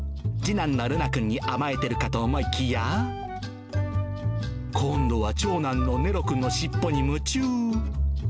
次男のルナくんに甘えてるかと思いきや、今度は長男のネロくんの尻尾に夢中。